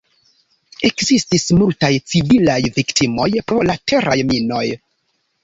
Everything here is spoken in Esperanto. Ekzistis multaj civilaj viktimoj pro la teraj minoj.